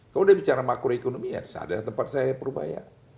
kalau dia bicara makroekonomi ya ada tempat saya yang perubaya